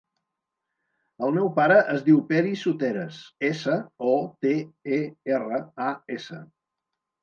El meu pare es diu Peris Soteras: essa, o, te, e, erra, a, essa.